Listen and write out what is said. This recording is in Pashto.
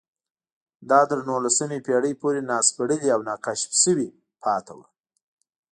دا تر نولسمې پېړۍ پورې ناسپړلي او ناکشف شوي پاتې وو